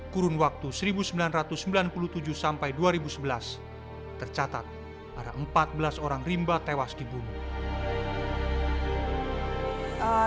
kurun waktu seribu sembilan ratus sembilan puluh tujuh sampai dua ribu sebelas tercatat ada empat belas orang rimba tewas dibunuh